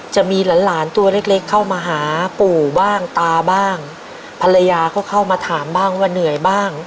จะมีหลานหลานตัวเล็กเล็กเข้ามาหาปู่บ้างตาบ้างภรรยาก็เข้ามาถามบ้างว่าเหนื่อยบ้าง